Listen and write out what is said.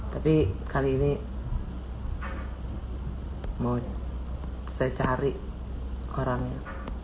tapi kali ini mau saya cari orangnya